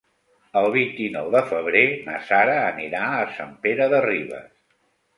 El vint-i-nou de febrer na Sara anirà a Sant Pere de Ribes.